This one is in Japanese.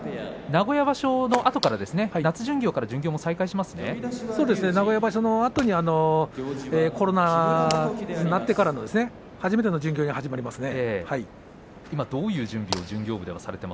名古屋場所のあとから名古屋場所のあとコロナになってからの初めての巡業が始まりますね。